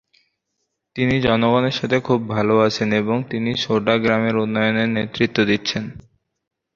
তিনি জনগণের সাথে খুব ভাল আছেন এবং তিনি সোডা গ্রামের উন্নয়নে নেতৃত্ব দিচ্ছেন।